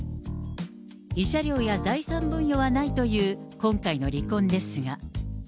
慰謝料や財産分与はないという今回の離婚ですが。